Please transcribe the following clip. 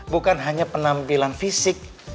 bukan hanya penampilan fisik